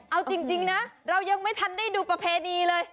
เอาจริงนะเรายังไม่ทันได้ดูประเพณีเลย